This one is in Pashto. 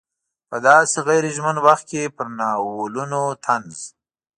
په داسې غیر ژمن وخت کې پر ناولونو طنز.